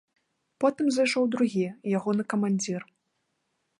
Потым зайшоў другі, ягоны камандзір.